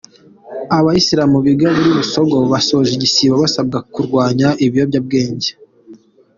Abayisilamu biga muriBusogo basoje igisibo basabwa kurwanya ibiyobyabwenge